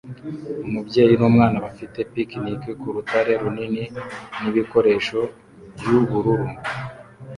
Umubyeyi n'umwana bafite picnic kurutare runini n'ibikoresho by'ubururu